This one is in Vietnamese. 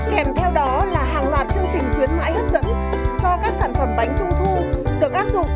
kèm theo đó là hàng loạt chương trình khuyến mãi hấp dẫn cho các sản phẩm bánh trung thu được áp dụng